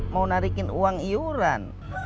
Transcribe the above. mau narikin uang iuran